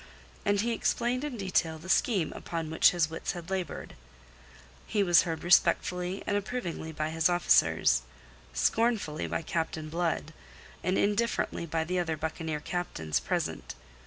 And he explained in detail the scheme upon which his wits had laboured. He was heard respectfully and approvingly by his officers, scornfully by Captain Blood, and indifferently by the other buccaneer captains present.